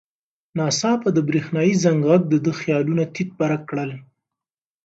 ناڅاپه د برېښنایي زنګ غږ د ده خیالونه تیت پرک کړل.